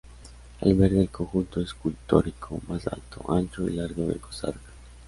Alberga el conjunto escultórico más alto, ancho y largo de Costa Rica.